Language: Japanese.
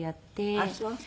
あっそう。